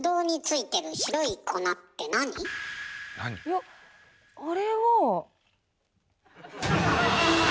いやあれは。